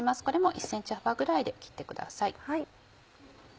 これも１ｃｍ幅ぐらいで切ってください。